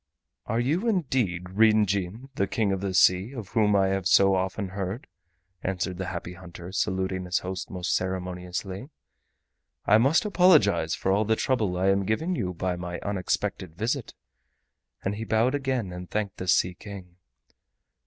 "Are you indeed Ryn Jin, the King of the Sea, of whom I have so often heard?" answered the Happy Hunter, saluting his host most ceremoniously. "I must apologize for all the trouble I am giving you by my unexpected visit." And he bowed again, and thanked the Sea King.